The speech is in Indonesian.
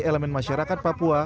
dari elemen masyarakat papua